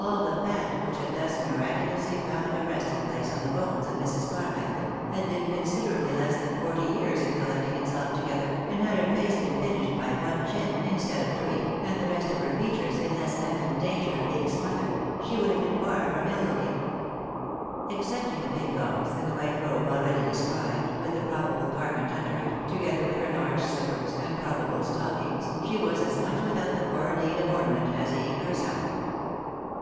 All the fat which had thus miraculously found a resting place on the bones of Mrs. Carmichael, had been considerably less than forty years in collecting itself together, and had her face been finished by one chin, instead of three, and the rest of her features in less evident danger of being smothered, she would have been far from ill looking. Excepting the pink gauze and the white robe already described, with the probable garment under it, together with her large slippers, and probable stockings, she was as much without the foreign aid of ornament as Eve herself.